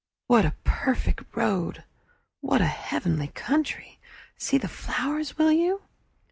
"What a perfect road! What a heavenly country! See the flowers, will you?"